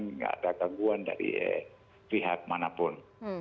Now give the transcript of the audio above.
tidak ada gangguan dari pihak manapun